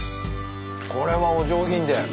これはお上品で。